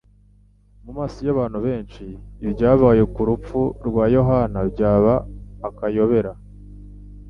Mu maso y'abantu benshi, ibyabaye ku rupfu rwa Yohana byaba; akayobera.